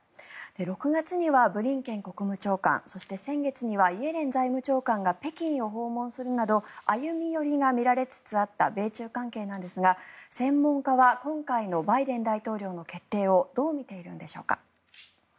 ６月にはブリンケン国務長官そして先月にはイエレン財務長官が北京を訪問するなど歩み寄りが見られつつあった米中関係なんですが専門家は今回のバイデン大統領の決定をどう見ているんでしょうか。